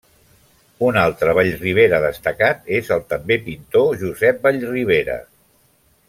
Un altre Vallribera destacat és el també pintor Josep Vallribera.